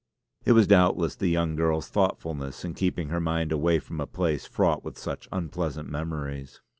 It was doubtless the young girl's thoughtfulness in keeping her mind away from a place fraught with such unpleasant memories.